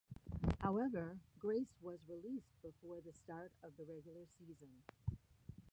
However, Groce was released before the start of the regular season.